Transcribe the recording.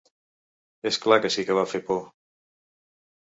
És clar que sí que va fer por.